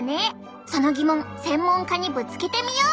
その疑問専門家にぶつけてみよう！